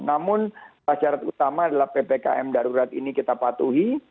namun syarat utama adalah ppkm darurat ini kita patuhi